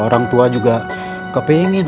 orang tua juga kepingin